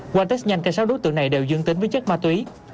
qua test nhanh cả sáu đối tượng này đều dương tính với chất ma túy